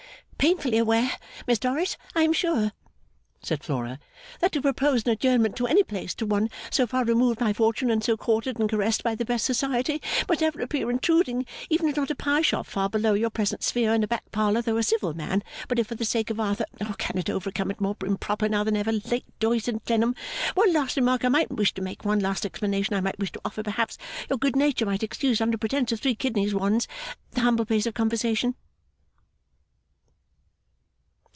'Painfully aware, Miss Dorrit, I am sure,' said Flora, 'that to propose an adjournment to any place to one so far removed by fortune and so courted and caressed by the best society must ever appear intruding even if not a pie shop far below your present sphere and a back parlour though a civil man but if for the sake of Arthur cannot overcome it more improper now than ever late Doyce and Clennam one last remark I might wish to make one last explanation I might wish to offer perhaps your good nature might excuse under pretence of three kidney ones the humble place of conversation.